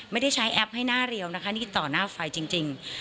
ไม่ได้ใช้แอปให้หน้าเรียวนะคะนี่คือต่อหน้าไฟจริง